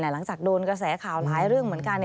หลังจากโดนกระแสข่าวหลายเรื่องเหมือนกัน